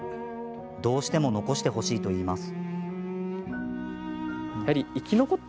どうしても残してほしいといいます。